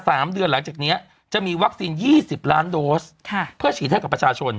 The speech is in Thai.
สามเดือนหลังจากเนี้ยจะมีวัคซีนยี่สิบล้านโดสค่ะเพื่อฉีดให้กับประชาชน